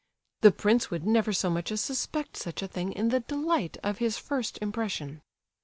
The prince would never so much as suspect such a thing in the delight of his first impression.